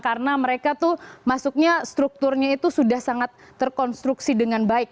karena mereka masuknya strukturnya itu sudah sangat terkonstruksi dengan baik